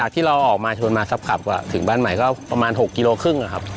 ที่เราออกมาชวนมาซับขับถึงบ้านใหม่ก็ประมาณ๖กิโลครึ่งนะครับ